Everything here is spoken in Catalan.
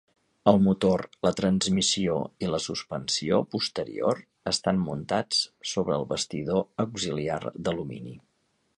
El motor, la transmissió i la suspensió posterior estan muntats sobre el bastidor auxiliar d'alumini.